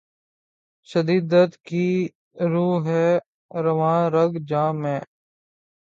شدید درد کی رو ہے رواں رگ ِ جاں میں